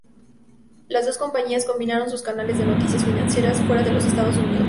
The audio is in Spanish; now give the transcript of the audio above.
Las dos compañías combinaron sus canales de noticias financieras fuera de los Estados Unidos.